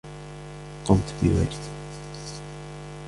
قمت بواجبي.